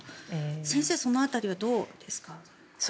先生、その辺りはどうですか。